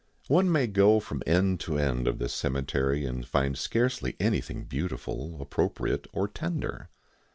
One may go from end to end of this cemetery and find scarcely anything beautiful, appropriate, or tender.